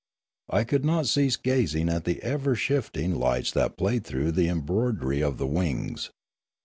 I could not cease gazing at the ever shifting lights that played through the embroidery of the wings.